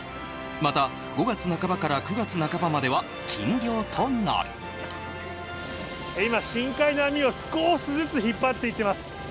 また、５月半ばから９月半ばまで今、深海の網を少しずつ引っ張っていっています。